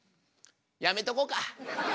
やめとこうか。